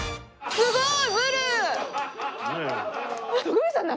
すごい！